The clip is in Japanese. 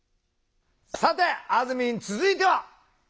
さてあずみん続いては！